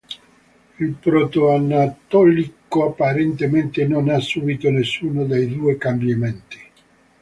Il proto-anatolico apparentemente non ha subito nessuno dei due cambiamenti.